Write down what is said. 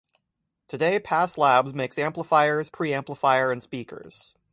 Today Pass Labs makes amplifiers, preamplifier and speakers.